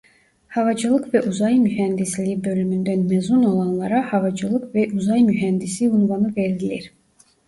Havacılık ve uzay mühendisliği bölümünden mezun olanlara "Havacılık ve uzay mühendisi" unvanı verilir.